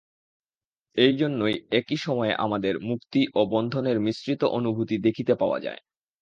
এই জন্যই একই সময়ে আমাদের মুক্তি ও বন্ধনের মিশ্রিত অনুভূতি দেখিতে পাওয়া যায়।